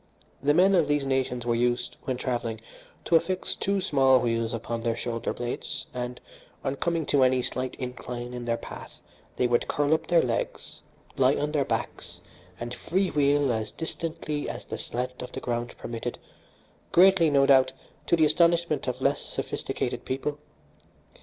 The men of these nations were used, when travelling, to affix two small wheels upon their shoulder blades, and on coming to any slight incline in their path they would curl up their legs, lie on their backs and free wheel as distantly as the slant of the ground permitted, greatly, no doubt, to the astonishment of less sophisticated people.